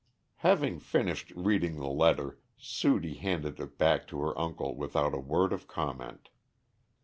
Having finished reading the letter Sudie handed it back to her uncle without a word of comment.